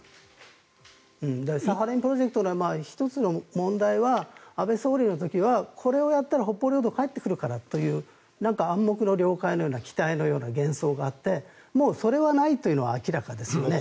サハリンプロジェクトの１つの問題は安倍総理の時はこれをやったら北方領土が返ってくるからという暗黙の了解のような期待のような幻想もあってもうそれはないというのは明らかですよね。